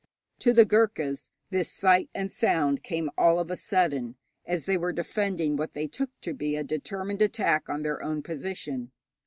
To the Ghurkas this sight and sound came all of a sudden, as they were defending what they took to be a determined attack on their own position.